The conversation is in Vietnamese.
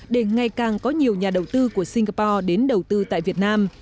để ngày càng có nhiều nhà đầu tư của singapore đến đầu tư tại việt nam